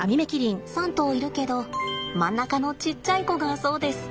３頭いるけど真ん中のちっちゃい子がそうです。